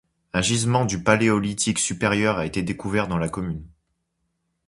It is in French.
Un gisement du paléolithique supérieur a été découvert dans la commune.